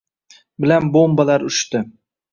Bilan bombalar uchdi